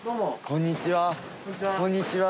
こんにちは。